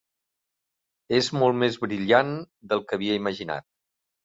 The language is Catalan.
És molt més brillant del que havia imaginat.